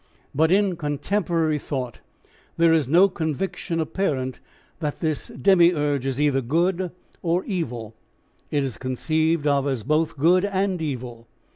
But in contemporary thought there is no conviction apparent that this Demiurge is either good or evil; it is conceived of as both good and evil.